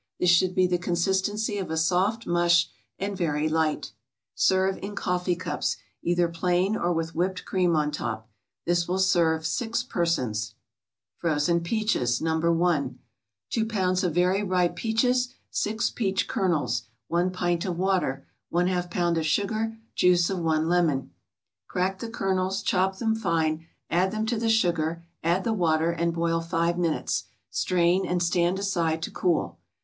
This should be the consistency of a soft mush and very light. Serve in coffee cups, either plain or with whipped cream on top. This will serve six persons, FROZEN PEACHES, No. 1 2 pounds of very ripe peaches 6 peach kernels 1 pint of water 1/2 pound of sugar Juice of one lemon Crack the kernels, chop them fine, add them to the sugar, add the water, and boil five minutes; strain and stand aside to cool.